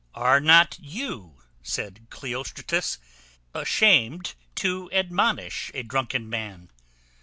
"Are not you," said Cleostratus, "ashamed to admonish a drunken man?"